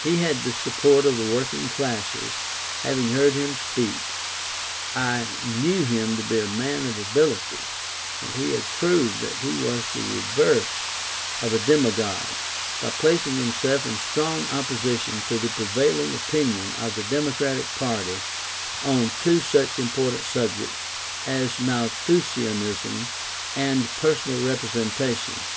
He had the support of the working classes; having heard him speak, I knew him to be a man of ability and he had proved that he was the reverse of a demagogue, by placing himself in strong opposition to the prevailing opinion of the democratic party on two such important subjects as Malthusianism and Personal Representation.